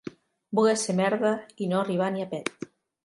Voler ser merda i no arribar ni a pet.